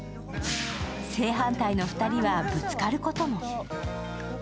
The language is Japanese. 正反対の２人はぶつかることも。